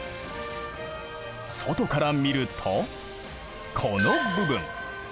外から見るとこの部分。